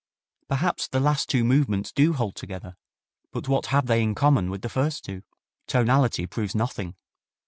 Perhaps the last two movements do hold together, but what have they in common with the first two? Tonality proves nothing.